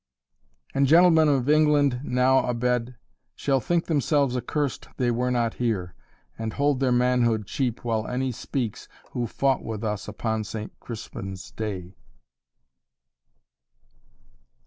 "And gentlemen of England now abed Shall think themselves accursed they were not here, And hold their manhood cheap while any speaks Who fought with us upon St. Crispin's day."